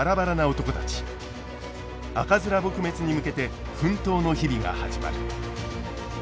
赤面撲滅に向けて奮闘の日々が始まる。